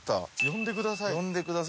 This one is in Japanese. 呼んでください」